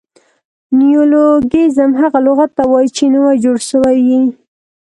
نیولوګیزم هغه لغت ته وایي، چي نوي جوړ سوي يي.